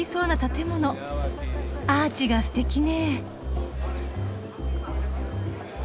アーチがすてきね。